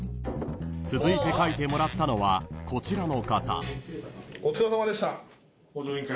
［続いて書いてもらったのはこちらの方］